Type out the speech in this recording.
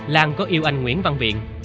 lan có yêu anh nguyễn văn viện